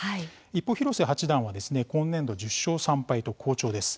一方、広瀬八段は今年度１０勝３敗と好調です。